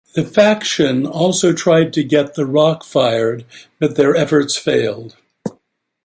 The Faction also tried to get The Rock fired, but their efforts failed.